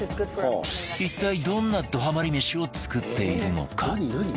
一体どんなどハマり飯を作っているのか？